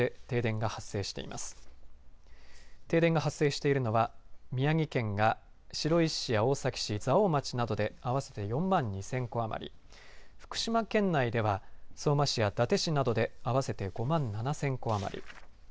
停電が発生しているのは宮城県が白石市や大崎市、蔵王町などで合わせて４万２０００戸余り福島県内では相馬市や伊達市などで合わせて５万７０００戸余り。